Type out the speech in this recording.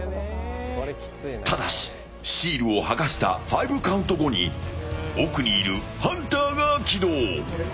ただしシールを剥がした５カウント後に奥にいるハンターが起動。